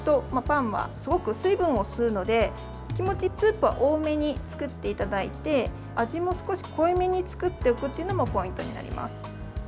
パンはすごく水分を吸うので気持ちスープは多めに作っていただいて味も少し濃いめに作っておくというのもポイントになります。